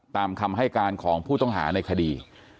ตามคำให้การของผู้ต้องหาในคดี